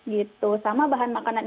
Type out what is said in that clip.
gitu sama bahan makanan